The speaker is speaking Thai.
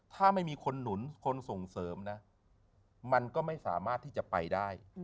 ถ้าไม่มีคนหนุนคนส่งเสริมนะมันก็ไม่สามารถที่จะไปได้